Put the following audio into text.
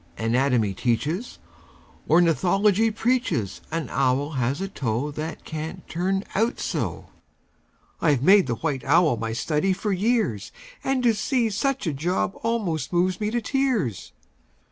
Anatomy teaches, Ornithology preaches An owl has a toe That can't turn out so! I've made the white owl my study for years, And to see such a job almost moves me to tears!